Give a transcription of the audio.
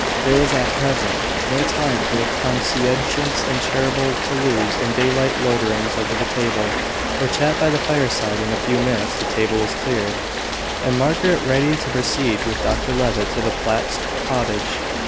There was at present no time for the conscientious and charitable to lose in daylight loiterings over the table, or chat by the fireside. In a few minutes the table was cleared, and Margaret ready to proceed with Dr Levitt to the Platts' Cottage.